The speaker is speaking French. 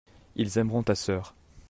ils aimeront ta sœur.